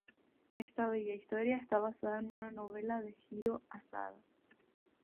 Esta bella historia está basada en una novela de Jiro Asada.